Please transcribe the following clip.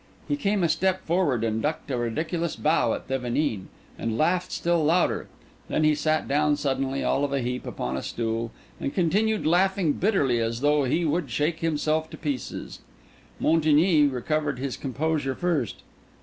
He came a step forward and ducked a ridiculous bow at Thevenin, and laughed still louder. Then he sat down suddenly, all of a heap, upon a stool, and continued laughing bitterly as though he would shake himself to pieces. Montigny recovered his composure first.